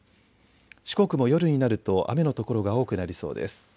四国も夜になると雨のところが多くなりそうです。